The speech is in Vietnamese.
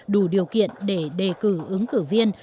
đủ điều kiện để đề cử ứng cử viên